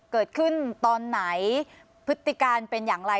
เกิดขึ้นตอนไหนพฤติการณ์เป็นอย่างไร